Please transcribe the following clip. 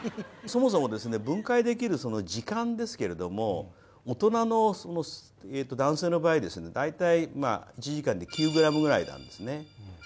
そもそもですね分解できる時間ですけれども大人の男性の場合ですね大体１時間で９ｇぐらいなんですね